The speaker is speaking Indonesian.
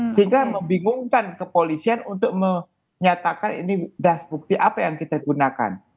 sehingga membingungkan kepolisian untuk menyatakan ini das bukti apa yang kita gunakan